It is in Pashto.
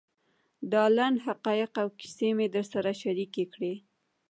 دا لنډ حقایق او کیسې مې در سره شریکې کړې.